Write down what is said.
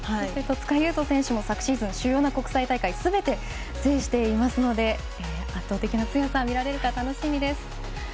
戸塚優斗選手も昨シーズン主要な国際大会すべて制していますので圧倒的な強さ見られるか楽しみです。